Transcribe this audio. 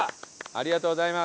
ありがとうございます。